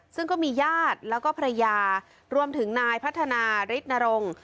ซึ่งก็มีญาติแล้วก็ภรรยารวมถึงนายพัฒนาฤทธนรงค์